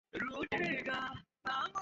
চারটা ড্রোন ঠিকমত বিস্ফোরিত হয়নি।